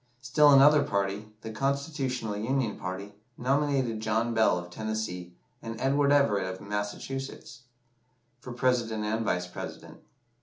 Still another party, the Constitutional Union party, nominated John Bell, of Tennessee, and Edward Everett, of Massachusetts, for President and Vice President.